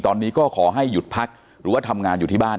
ตอนนี้ก็ขอให้หยุดพักหรือว่าทำงานอยู่ที่บ้าน